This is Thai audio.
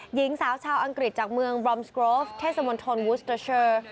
หญิงสาวชาวอังกฤษจากเมืองบรอมสโกรฟเทศมนตรวูสเตอร์เชอร์